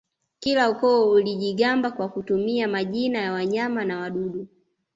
Kila ukoo ulijigamba kwa kutumia majina ya wanyama na wadudu